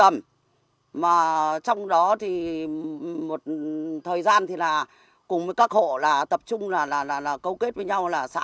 mà trong đó thì một thời gian thì là cùng với các hộ là tập trung là là là là câu kết với nhau là xã